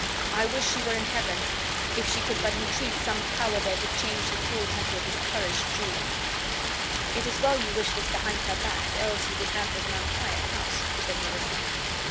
I wish she were in heaven if she could but entreat some power there to change the cruel temper of this currish Jew." "It is well you wish this behind her back, else you would have but an unquiet house," said Nerissa.